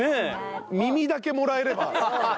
耳だけもらえれば。